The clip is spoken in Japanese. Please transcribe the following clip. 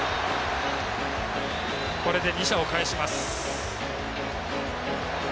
これで２者をかえします。